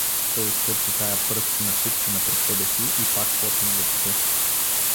Той изтърси тая пръст на купчина пред себе си и пак почна да чете.